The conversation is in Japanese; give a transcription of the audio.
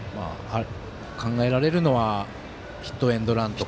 考えられるのはヒットエンドランとか。